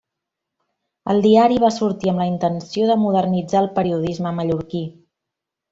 El diari va sortir amb la intenció de modernitzar el periodisme mallorquí.